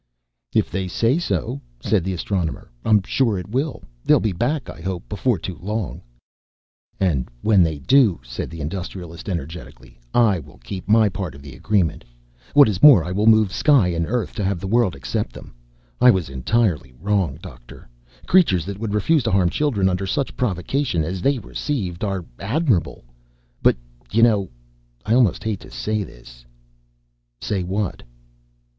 "If they say so," said the Astronomer, "I'm sure it will. They'll be back, I hope, before too long." "And when they do," said the Industrialist, energetically, "I will keep my part of the agreement. What is more I will move sky and earth to have the world accept them. I was entirely wrong, Doctor. Creatures that would refuse to harm children, under such provocation as they received, are admirable. But you know I almost hate to say this " "Say what?"